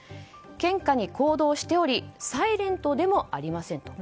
献花に行動しておりサイレントでもありません。